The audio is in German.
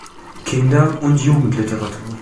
Kinder- und Jugendliteratur